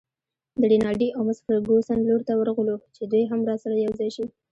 د رینالډي او مس فرګوسن لور ته ورغلو چې دوی هم راسره یوځای شي.